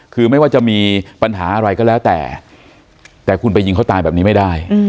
คือไม่ว่าจะมีปัญหาอะไรก็แล้วแต่แต่คุณไปยิงเขาตายแบบนี้ไม่ได้